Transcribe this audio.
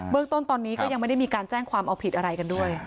เรื่องต้นตอนนี้ก็ยังไม่ได้มีการแจ้งความเอาผิดอะไรกันด้วย